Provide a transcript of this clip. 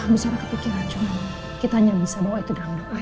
bu sarah kepikiran cuma kita hanya bisa bawa itu dalam doa ya